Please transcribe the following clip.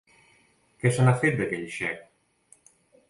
Què se n'ha fet d'aquell xec?